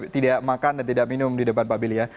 tidak makan dan tidak minum di depan pak billy ya